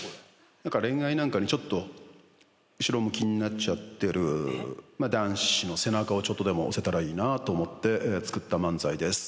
何か恋愛なんかにちょっと後ろ向きになっちゃってる男子の背中をちょっとでも押せたらいいなと思って作った漫才です。